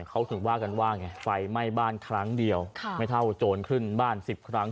แล้วเขาถึงว่าฝันไม้บ้านครั้งเดียวไม่เท่าโดรนขึ้นบ้านสิบครั้ง